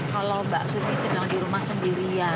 kalau mbak suti sedang di rumah sendirian